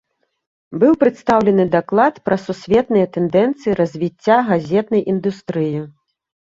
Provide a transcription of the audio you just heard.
Быў прадстаўлены даклад пра сусветныя тэндэнцыі развіцця газетнай індустрыі.